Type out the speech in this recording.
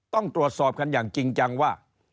ต้องตรวจสอบกันอย่างจริงจังว่า